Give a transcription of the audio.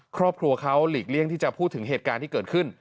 ครอบครัวเขาหลีกเลี่ยงที่จะพูดถึงเหตุการณ์ที่เกิดขึ้น